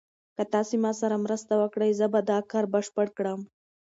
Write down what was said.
که تاسي ما سره مرسته وکړئ زه به دا کار بشپړ کړم.